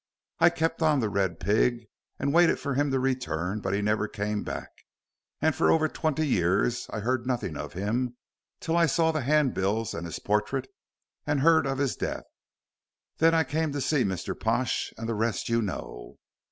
I kept on 'The Red Pig,' and waited for him to return. But he never came back, and for over twenty years I heard nothing of him till I saw the hand bills and his portrait, and heard of his death. Then I came to see Mr. Pash, and the rest you know."